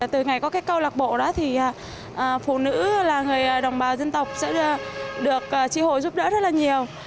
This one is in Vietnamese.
từ ngày có cái câu lạc bộ đó thì phụ nữ là người đồng bào dân tộc sẽ được tri hội giúp đỡ rất là nhiều